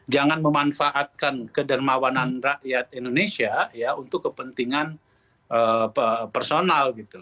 jangan memanfaatkan kedermawanan rakyat indonesia untuk kepentingan personal